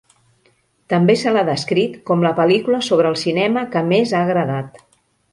També se l'ha descrit com la pel·lícula sobre el cinema que més ha agradat.